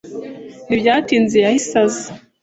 Ntibyatinze yahise aza.